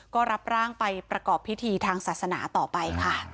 ก็รับร่างไปประกอบพิธีทางศาสนาต่อไปค่ะ